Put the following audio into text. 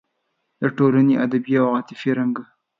د ټولنې ادبي او عاطفي رنګ